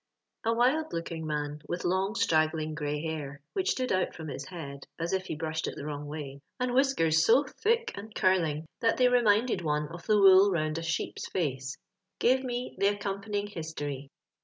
A WILD LOOKING man, with lonp strag«(ling grey hair, which stood out from his h(»ft(l as if be brushed it the wronf; way; and whiskers BO thick and curling that tlioy reminded one of the wool round a sheep's facC) gave me the accompanying liistory.